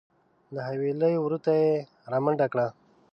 د حویلۍ وره ته یې رامنډه کړه .